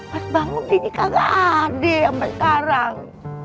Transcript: pas bangun dia di kagak ada sampai sekarang